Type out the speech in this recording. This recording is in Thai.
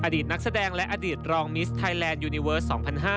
อดีตนักแสดงและอดีตรองมิสไทยแลนดยูนิเวิร์ส๒๕๕๙